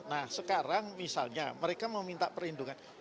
nah sekarang misalnya mereka meminta perlindungan